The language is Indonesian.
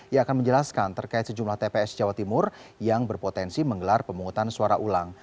ia akan menjelaskan terkait sejumlah tps jawa timur yang berpotensi menggelar pemungutan suara ulang